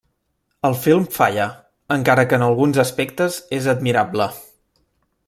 El film falla, encara que en alguns aspectes és admirable.